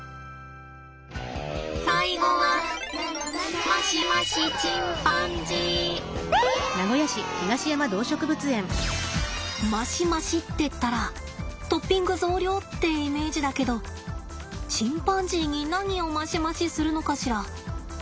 最後はマシマシってったらトッピング増量ってイメージだけどチンパンジーに何をマシマシするのかしら。